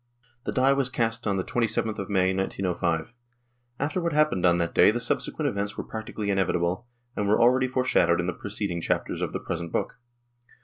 The die was cast on the 27th of May, 1905. After what happened on that day the subsequent events vvere practically inevitable, and were already foreshadowed in the preceding chapters of the present book.